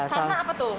karena apa tuh